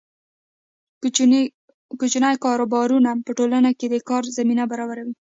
کوچني کاروبارونه په ټولنه کې د کار زمینه برابروي.